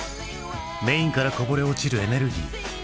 メインからこぼれ落ちるエネルギー。